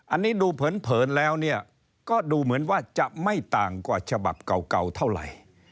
อันนี้ดูเผินแล้วเนี่ยก็ดูเหมือนว่าจะไม่ต่างกว่าฉบับเก่าเท่าไหร่